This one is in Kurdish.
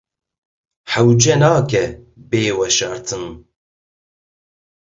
Hewce nake bê veşartin.